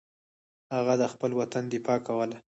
هغه د خپل وطن دفاع کوله.